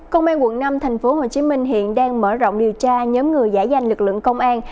công an quận năm tp hcm hiện đang mở rộng điều tra nhóm người giải danh lực lượng công an